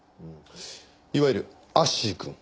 いわゆるアッシーくん。